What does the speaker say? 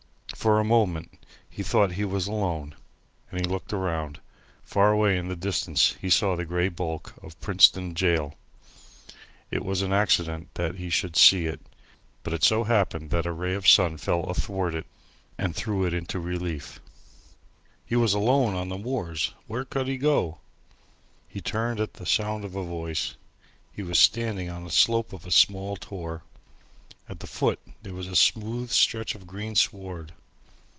For a moment he thought he was alone, and looked around. Far away in the distance he saw the grey bulk of Princetown Gaol. It was an accident that he should see it, but it so happened that a ray of the sun fell athwart it and threw it into relief. He was alone on the moors! Where could he go? He turned at the sound of a voice. He was standing on the slope of a small tor. At the foot there was a smooth stretch of green sward.